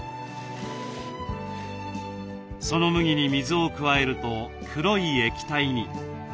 その麦に水を加えると黒い液体に。